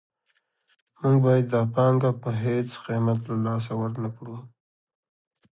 موږ باید دا پانګه په هېڅ قیمت له لاسه ورنکړو